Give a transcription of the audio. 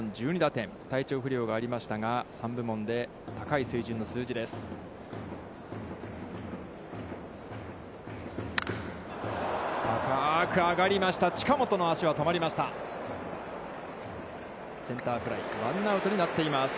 体調不良がありましたが、３部門で高い水準の数字です。